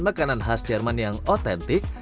makanan khas jerman yang otentik